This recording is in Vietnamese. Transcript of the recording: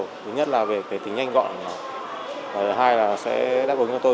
thứ nhất là về tính nhanh gọn thứ hai là sẽ đáp ứng cho tôi